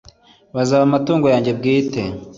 bazaba amatungo yanjye bwite